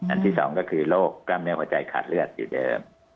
ที่สองก็คือโรคกล้ามเนื้อหัวใจขาดเลือดอยู่เดิม